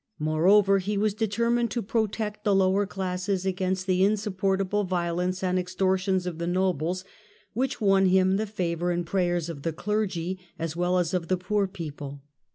Moreover he vt^as determined to protect the lower classes against the insupportable violence and ex tortions of the nobles, which won him the favour and prayers of the Clergy as well as of the poor people."